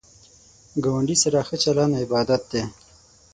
ګاونډی سره ښه چلند عبادت دی